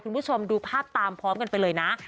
คุณผู้ชมดูภาพตามพร้อมกันไปเลยนะ